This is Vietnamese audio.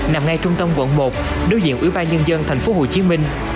nằm ngay trung tâm quận một đối diện ủy ban nhân dân thành phố hồ chí minh